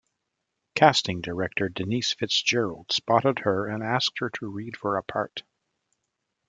Casting director Denise Fitzgerald spotted her and asked her to read for a part.